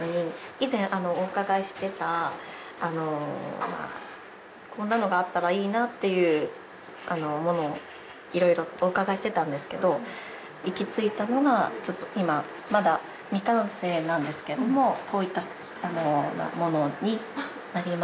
以前お伺いしていた「こんなのがあったらいいな」っていうものを色々お伺いしてたんですけど行き着いたのがちょっと今まだ未完成なんですけどもこういったものになりまして。